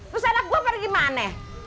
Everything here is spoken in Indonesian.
terus anak buah pada gimana